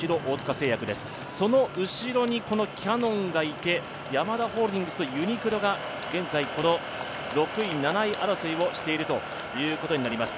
その後ろにキヤノンがいて、ヤマダホールディングス、ユニクロが現在、６位・７位争いをしているということになります。